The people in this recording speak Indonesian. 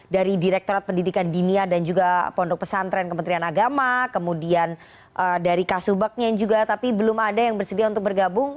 dari direktorat pendidikan dinia dan juga pondok pesantren kementerian agama kemudian dari kasubagnya juga tapi belum ada yang bersedia untuk bergabung